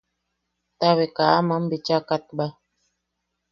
Tabe ka aman bicha katbae.